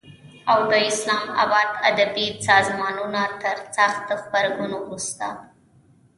او د اسلام آباد ادبي سازمانونو تر سخت غبرګون وروسته